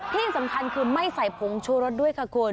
ที่สำคัญคือไม่ใส่ผงชูรสด้วยค่ะคุณ